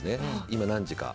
今何時か。